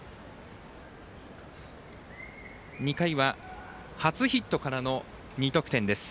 ２回は初ヒットからの２得点です。